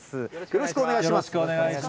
よろしくお願いします。